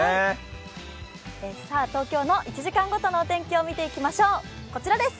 東京の１時間ごとの天気を見ていきましょう。